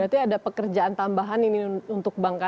berarti ada pekerjaan tambahan ini untuk bangka